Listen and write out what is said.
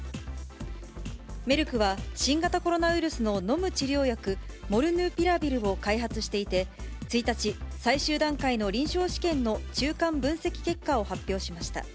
メルクは、新型コロナウイルスの飲む治療薬、モルヌピラビルを開発していて、１日、最終段階の臨床試験の中間分析結果を発表しました。